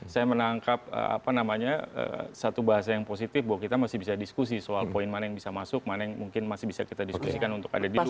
saya menangkap satu bahasa yang positif bahwa kita masih bisa diskusi soal poin mana yang bisa masuk mana yang mungkin masih bisa kita diskusikan untuk ada di dua ribu